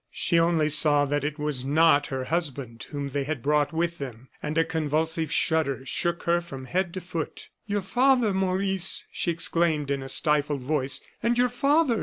She only saw that it was not her husband whom they had brought with them; and a convulsive shudder shook her from head to foot. "Your father, Maurice!" she exclaimed, in a stifled voice; "and your father!"